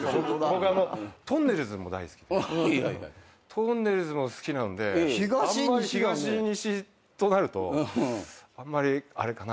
とんねるずも好きなんで東西となるとあんまりあれかなと思って。